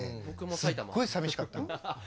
すごいさみしかった。